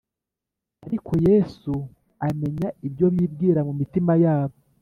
Ariko Yesu amenya ibyo bibwira mu mitima yabo